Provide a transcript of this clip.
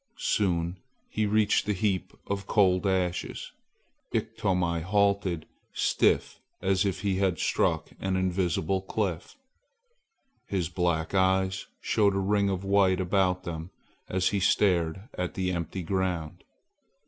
Soon he reached the heap of cold ashes. Iktomi halted stiff as if he had struck an invisible cliff. His black eyes showed a ring of white about them as he stared at the empty ground.